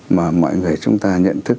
mà mọi người chúng ta nhận thức